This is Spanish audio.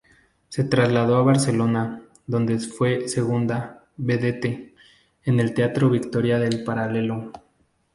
Se trasladó a Barcelona, donde fue segunda "vedette" en el Teatro Victoria del Paralelo.